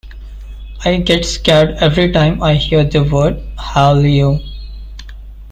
I get scared every time I hear the word, 'Hallyu'.